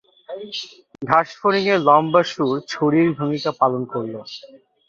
ঘাসফড়িঙের লম্বা শুঁড় ছুরির ভূমিকা পালন করল।